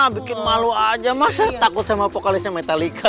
bikin malu aja masa takut sama apokalisnya metallica